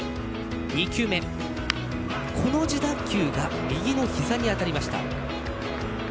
２球目、この自打球が右の膝に当たりました。